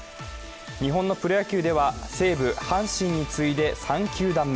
日本のプロ野球では西武、阪神に次いで３球団目。